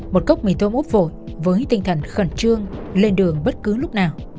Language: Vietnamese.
một cốc mì tôm úp phổi với tinh thần khẩn trương lên đường bất cứ lúc nào